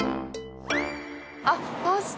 あっパスタ。